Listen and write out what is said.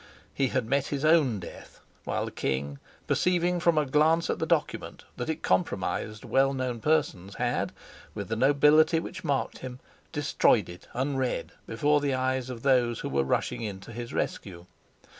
He had met his own death, while the king, perceiving from a glance at the document that it compromised well known persons, had, with the nobility which marked him, destroyed it unread before the eyes of those who were rushing in to his rescue.